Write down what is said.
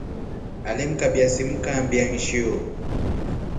Ale mkabya simu kambia nshio.